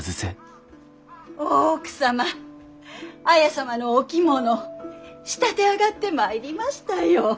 大奥様綾様のお着物仕立て上がってまいりましたよ。